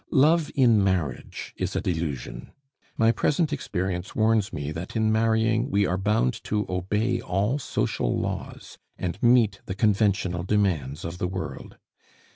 Love in marriage is a delusion. My present experience warns me that in marrying we are bound to obey all social laws and meet the conventional demands of the world.